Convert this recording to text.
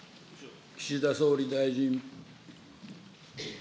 岸田総理大臣。